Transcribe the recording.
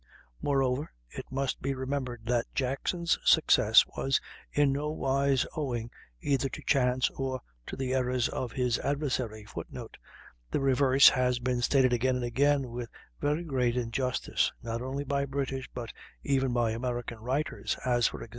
Moreover, it must be remembered that Jackson's success was in no wise owing either to chance or to the errors of his adversary. [Footnote: The reverse has been stated again and again with very great injustice, not only by British, but even by American writers (as e.g.